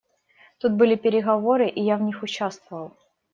Тут были переговоры, и я в них участвовал.